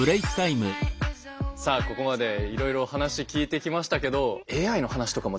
さあここまでいろいろ話聞いてきましたけどＡＩの話とかも出てきて。